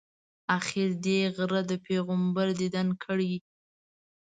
آخر دې غره د پیغمبر دیدن کړی.